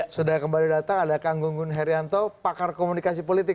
sudah kembali datang ada kang gunggun herianto pakar komunikasi politik